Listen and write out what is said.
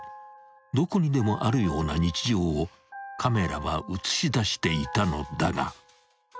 ［どこにでもあるような日常をカメラは映し出していたのだが］